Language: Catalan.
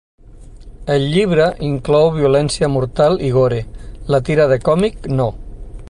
El llibre inclou violència mortal i gore, la tira de còmic no.